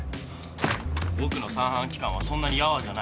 僕の三半規管はそんなにヤワじゃない。